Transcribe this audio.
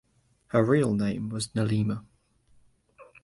Her real name was Nilima.